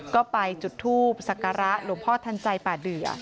ก็ไปจุดทูปศักระหลวงพ่อทันใจป่าเดือ